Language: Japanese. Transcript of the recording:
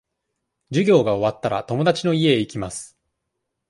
授業が終わったら、友達の家へ行きます。